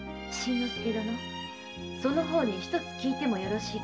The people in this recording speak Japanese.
その方にひとつ訊いてもよろしいか。